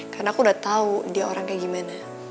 karena aku udah tahu dia orang kayak gimana